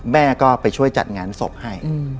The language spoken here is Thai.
แม่ก็ไปช่วยจัดงานศพให้